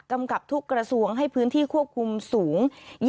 กับทุกกระทรวงให้พื้นที่ควบคุมสูง